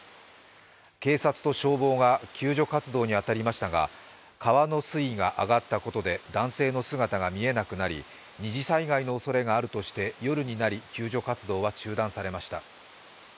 警察と消防が救助活動に当たりましたが川の水位が上がったことで、男性の姿が見えなくなり二次災害のおそれがあるとして夜になり救助活動は中断されました。